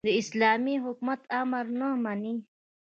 د اسلامي حکومت امر نه مني.